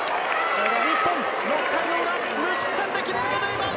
日本、６回の裏、無失点で切り抜けています。